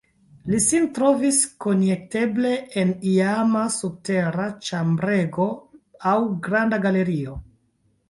Li sin trovis konjekteble en iama subtera ĉambrego aŭ granda galerio.